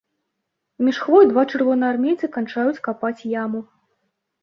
Між хвой два чырвонаармейцы канчаюць капаць яму.